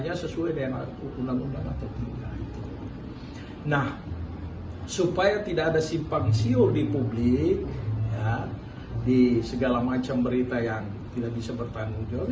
nah supaya tidak ada simpang siur di publik di segala macam berita yang tidak bisa bertanggung jawab